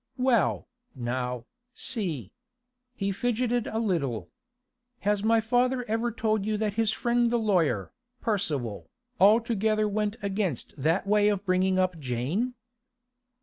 'Well, now, see.' He fidgeted a little. 'Has my father ever told you that his friend the lawyer, Percival, altogether went against that way of bringing up Jane?